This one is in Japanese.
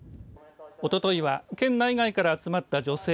おとといは県内外から集まった女性